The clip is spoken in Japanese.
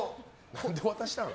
何で渡したの？